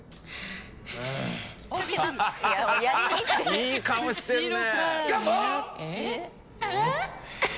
いい顔してるね！